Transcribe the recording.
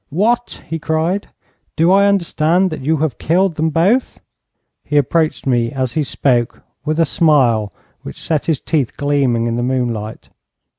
'What!' he cried. 'Do I understand that you have killed them both?' He approached me as he spoke with a smile which set his teeth gleaming in the moonlight.